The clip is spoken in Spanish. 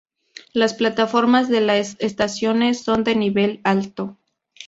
Las plataformas de las estaciones son de nivel alto.